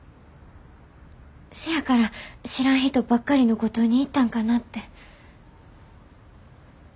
せやから知らん人ばっかりの五島に行ったんかなって。